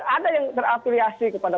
ada yang terafiliasi kepada